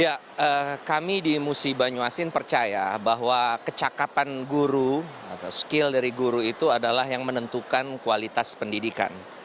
ya kami di musi banyuasin percaya bahwa kecakapan guru atau skill dari guru itu adalah yang menentukan kualitas pendidikan